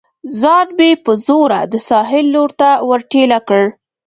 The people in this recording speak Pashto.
ځان مې په زوره د ساحل لور ته ور ټېله کړ.